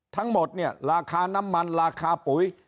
ทั้งหมดเนี่ยราคาน้ำมันราคาปุ๋ย